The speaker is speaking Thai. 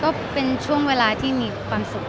ก็เป็นช่วงเวลาที่มีความสุข